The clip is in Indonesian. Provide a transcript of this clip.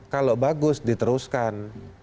kalau bagus diteruskan